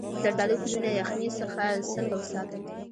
د زردالو ګلونه د یخنۍ څخه څنګه وساتم؟